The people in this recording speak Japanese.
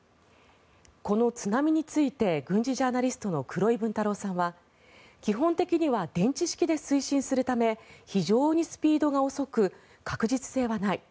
この「津波」について軍事ジャーナリストの黒井文太郎さんは基本的には電池式で推進するため非常にスピードが遅く確実性はない。